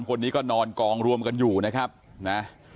คนนี้ก็นอนกองรวมกันอยู่นะครับนะ